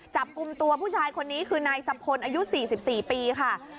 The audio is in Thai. จับกลุ่มตัวผู้ชายคนนี้คือนายสะพลอายุ๔๔ปีค่ะ